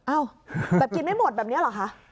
อ้าวแต่กินไม่หมดแบบนี้หรอค่ะ